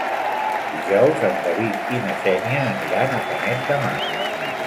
Dijous en David i na Xènia aniran a Canet de Mar.